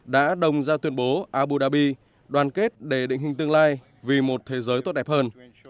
đã đồng ra tuyên bố abu dhabi đoàn kết để định hình tương lai vì một thế giới tốt đẹp hơn